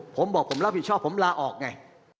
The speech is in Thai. ผมบอกผมรับผิดชอบผมลาออกไง